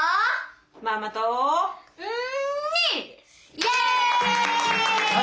イエーイ！